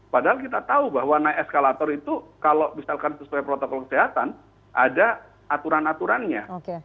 padahal kita tahu bahwa naik eskalator itu kalau misalkan sesuai protokol kesehatan ada aturan aturannya